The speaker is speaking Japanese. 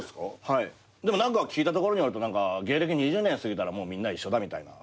でも何か聞いたところによると芸歴２０年過ぎたらもうみんな一緒だみたいな。